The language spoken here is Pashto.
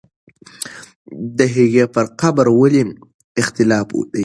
د هغې پر قبر ولې اختلاف دی؟